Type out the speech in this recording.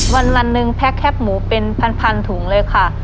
วันหนึ่งแก๊กแคบหมูเป็นพันถุงเลยค่ะ